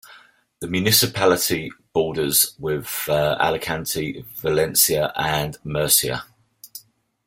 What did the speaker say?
The municipality borders with Alicante, Valencia and Murcia.